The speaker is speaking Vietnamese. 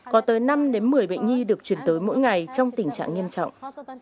có tới năm một mươi bệnh nhi được chuyển tới mỗi ngày trong tình trạng nghiêm trọng